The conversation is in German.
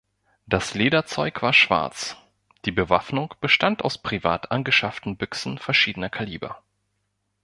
Das Lederzeug war schwarz, die Bewaffnung bestand aus privat angeschafften Büchsen verschiedener Kaliber.